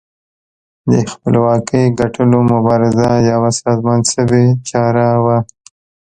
د خپلواکۍ ګټلو مبارزه یوه سازمان شوې چاره وه.